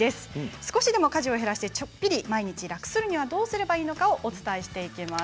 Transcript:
少しでも家事を減らしてちょっぴり毎日を楽にするにはどうすればいいのかお伝えしていきます。